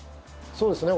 そうですね。